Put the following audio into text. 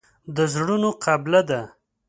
د زړونو قبله ده.